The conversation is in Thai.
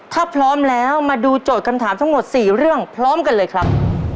ถ้าพร้อมแล้วมาดูโจทย์คำถามทั้งหมด๔เรื่องพร้อมกันเลยครับ